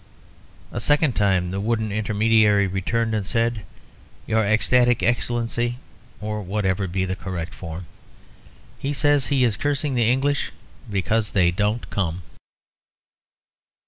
A second time the wooden intermediary returned and said, "Your Ecstatic Excellency (or whatever be the correct form), he says he is cursing the English because they don't come."